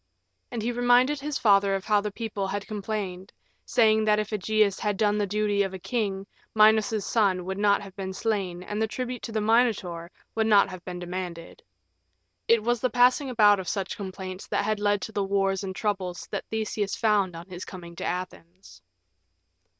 And he reminded his father of how the people had complained, saying that if Ægeus had done the duty of a king, Minos's son would not have been slain and the tribute to the Minotaur would have not been demanded. It was the passing about of such complaints that had led to the war and troubles that Theseus found on his coming to Athens.